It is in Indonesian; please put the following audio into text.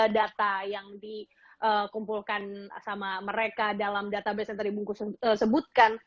data yang dikumpulkan sama mereka dalam database yang tadi bungkus sebutkan